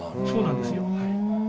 そうなんですよ。